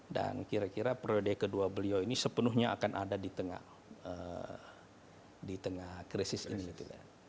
dan kira kira periode kedua beliau ini sepenuhnya akan ada di tengah krisis ini